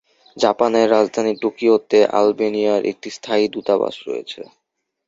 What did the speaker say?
জাপানের রাজধানী টোকিওতে আলবেনিয়ার একটি স্থায়ী দূতাবাস রয়েছে।